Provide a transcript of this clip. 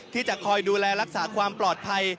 ที่จะคอยดูแลรักษาความปลอดภัย